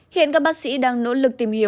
hiện các bác sĩ đang nỗ lực tìm hiểu